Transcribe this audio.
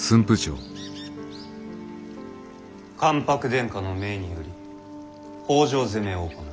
関白殿下の命により北条攻めを行う。